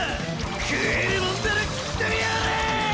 食えるもんなら食ってみやがれ！